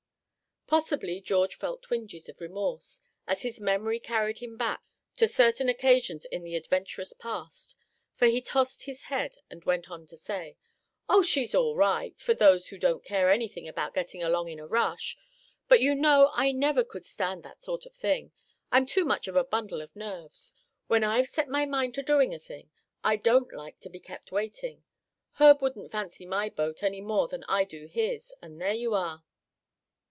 Possibly George felt twinges of remorse, as his memory carried him back to certain occasions in the adventurous past; for he tossed his head, and went on to say: "Oh! she's all right, for those who don't care anything about getting along in a rush; but you know I never could stand that sort of thing. I'm too much a bundle of nerves. When I've set my mind on doing a thing I don't like to be kept waiting. Herb wouldn't fancy my boat any more'n I do his; and there you are."